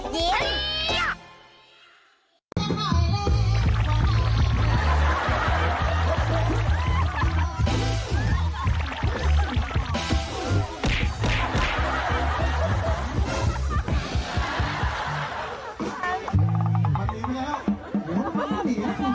โทษ